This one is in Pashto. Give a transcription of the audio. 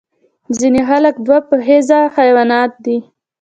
ځینې خلک دوه پښیزه حیوانات دي